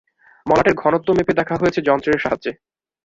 মলাটের ঘনত্ব মেপে দেখা হয়েছে যন্ত্রের সাহায্যে।